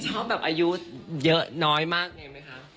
ชอบแบบอายุเยอะน้อยมากเองไหมคะ